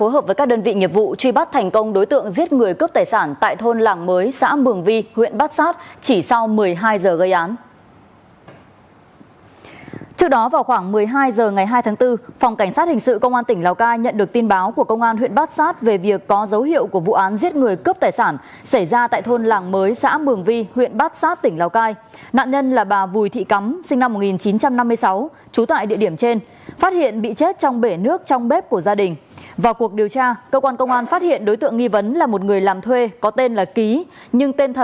hãy đăng ký kênh để ủng hộ kênh của chúng mình nhé